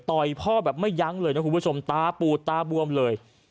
พ่อแบบไม่ยั้งเลยนะคุณผู้ชมตาปูดตาบวมเลย